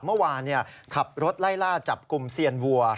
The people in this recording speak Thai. เมื่อวานขับรถไล่ล่าจับกลุ่มเซียนวัว